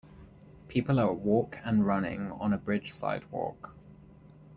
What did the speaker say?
People are walk and running on a bridge sidewalk.